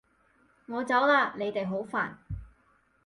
我走喇！你哋好煩